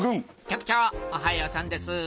局長おはようさんです。